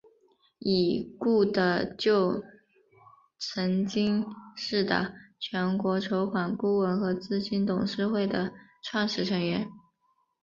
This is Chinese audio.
已故的就曾经是的全国筹款顾问和基金董事会的创始成员。